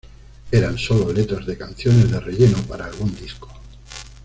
Eran sólo letras de canciones de relleno para algún disco.